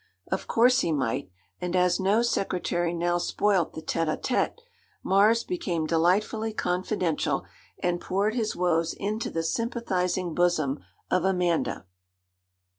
Of course he might; and, as no secretary now spoilt the tête à tête, Mars became delightfully confidential, and poured his woes into the sympathising bosom of Amanda.